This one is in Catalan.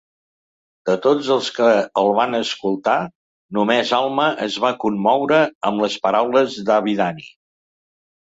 De tots els que el van escoltar, només Alma es va commoure amb les paraules d'Abinadi.